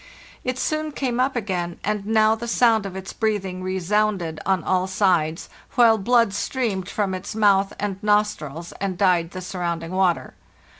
It soon came up again, and now the sound of its breathing resounded on all sides, while blood streamed from its mouth and nostrils, and dyed the surrounding water.